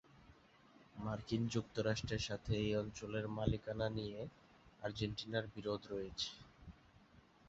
মার্কিন যুক্তরাষ্ট্রের সাথে এই অঞ্চলের মালিকানা নিয়ে আর্জেন্টিনার বিরোধ রয়েছে।